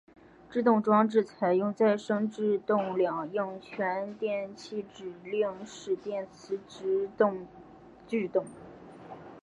制动装置采用再生制动两用全电气指令式电磁直通制动。